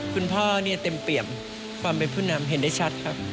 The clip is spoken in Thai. คุณพ่อเนี่ยเต็มเปรียบความเป็นผู้นำเห็นได้ชัดครับ